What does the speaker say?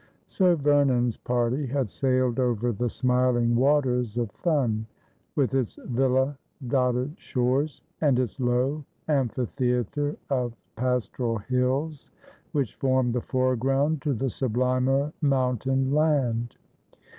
Sir Vernon's party bad sailed over the smiling waters of Thun, with its villa dotted shores, and its low amphitheatre of pastoral hills which form the foreground to the sublimer moun tain land.